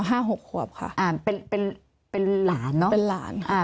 หกขวบค่ะอ่านเป็นเป็นหลานเนอะเป็นหลานค่ะ